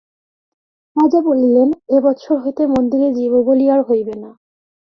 রাজা বলিলেন, এ বৎসর হইতে মন্দিরে জীববলি আর হইবে না।